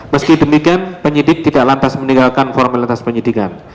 meski demikian penyidik tidak lantas meninggalkan formalitas penyidikan